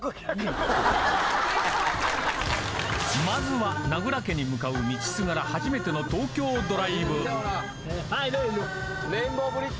［まずは名倉家に向かう道すがら初めての東京ドライブ］